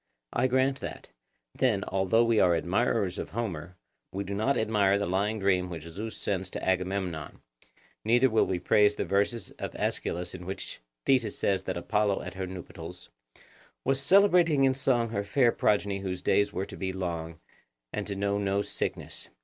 I grant that. Then, although we are admirers of Homer, we do not admire the lying dream which Zeus sends to Agamemnon; neither will we praise the verses of Aeschylus in which Thetis says that Apollo at her nuptials 'Was celebrating in song her fair progeny whose days were to be long, and to know no sickness.